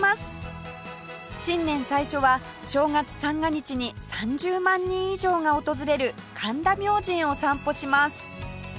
新年最初は正月三が日に３０万人以上が訪れる神田明神を散歩します